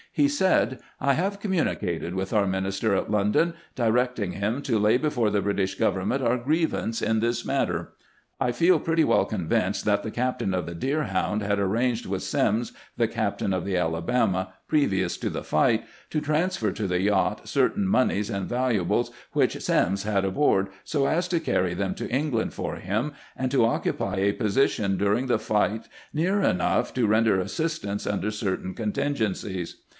He said :" I have communicated with our minister at London, directing him to lay before the British govern ment our grievance in this matter. I feel pretty well convinced that the captain of the Deerhound had ar ranged with Semmes, the captain of the Alabama, previ ous to the fight, to transfer to the yacht certain moneys and valuables which Semmes had aboard, so as to carry them to England for him, and to occupy a position during the fight near enough to render assistance under certain contingencies.